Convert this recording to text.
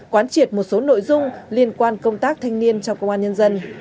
quán triệt một số nội dung liên quan công tác thanh niên trong công an nhân dân